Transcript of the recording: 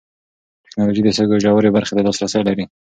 ټېکنالوژي د سږو ژورې برخې ته لاسرسی لري.